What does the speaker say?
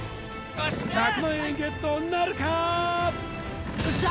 １００万円ゲットなるかよっしゃ！